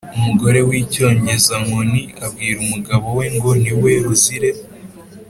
Umugore w’icyongezankoni abwira umugabo we ngo niwe ruzire.